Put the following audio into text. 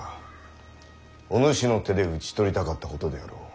お主の手で討ち取りたかったことであろう。